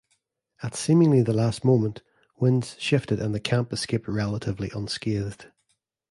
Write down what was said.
At seemingly the last moment, winds shifted and the camp escaped relatively unscathed.